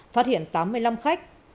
phát hiện tám mươi năm khách